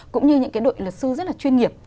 cũng như những cái đội luật sư rất là chuyên nghiệp